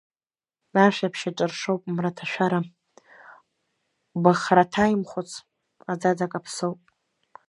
Ашәаԥшь аҿыршоуп мраҭашәара, быхраҭаимхәыц, аӡаӡа каԥсоуп.